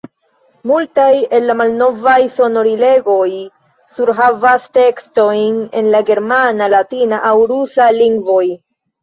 Multaj el la malnovaj sonorilegoj surhavas tekstojn en la germana, latina aŭ rusa lingvoj.